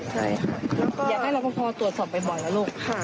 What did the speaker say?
ใช่ค่ะแล้วก็อยากให้รับพอตรวจสอบไปบ่อยแล้วลูก